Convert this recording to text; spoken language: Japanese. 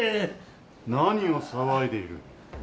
・何を騒いでいる？